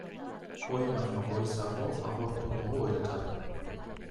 Ohi baino goizago agurtu dugu elkar.